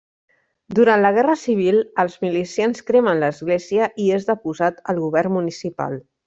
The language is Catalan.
Durant la Guerra Civil els milicians cremen l'església i és deposat el govern municipal.